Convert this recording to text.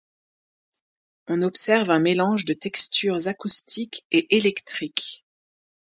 On observe un mélange de textures acoustiques et électriques.